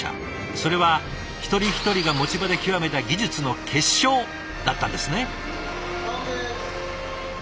それは一人一人が持ち場で極めた技術の結晶だったんですね。